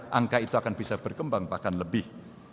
angka itu akan bisa berkembang bahkan lebih